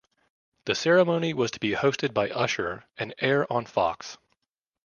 The ceremony was to be hosted by Usher and air on Fox.